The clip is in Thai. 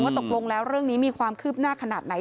ตกลงแล้วเรื่องนี้มีความคืบหน้าขนาดไหน